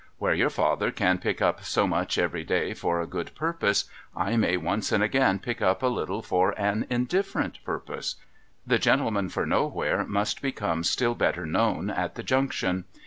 \Vhere your father can pick up so much every day for a good purpose, I may once and again pick up a little for an indifferent purpose. The gentleman for Nowhere must become still better known at the Junction.